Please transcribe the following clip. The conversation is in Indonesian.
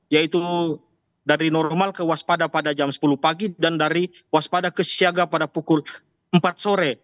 yaitu dari normal ke waspada pada jam sepuluh pagi dan dari waspada ke siaga pada pukul empat sore